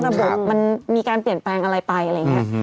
ระบบมันมีการเปลี่ยนแปลงอะไรไปอะไรอย่างนี้